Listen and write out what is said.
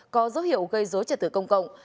có dấu hiệu gây dối trật tử công cộng